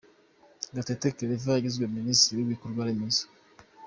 Gatete Claver yagizwe Minisitiri w'Ibikorwa Remezo.